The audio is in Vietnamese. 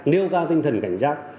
nêu cao tinh thần cảnh giác